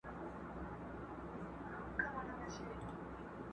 اووم دوږخ دي ځای د کرونا سي؛؛!